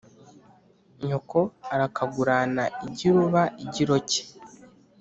nyoko arakagurana igiruba igiroke